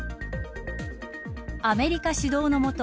アメリカ主導の下